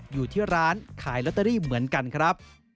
อยู่ที่ร้านขายลอตเตอรี่เหมือนกันครับ